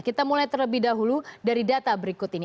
kita mulai terlebih dahulu dari data berikut ini